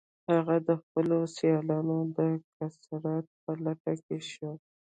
هغه د خپلو سیالانو د کسات په لټه کې شو